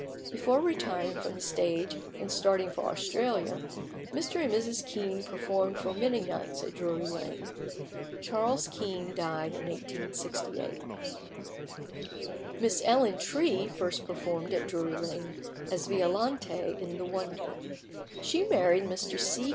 Before retiring from the stage and starting for Australia, Mr. and Mrs. Kean performed for many nights at Drury Lane. Charles Kean died in 1868. Miss Ellen Tree first performed at Drury Lane as Violante in "The Wonder." She married Mr. C.